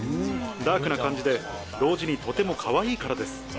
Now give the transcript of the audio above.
ダークな感じで、同時にとてもかわいいからです。